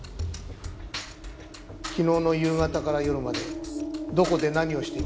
昨日の夕方から夜までどこで何をしていました？